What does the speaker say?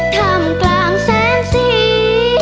ทำกลางแสงสี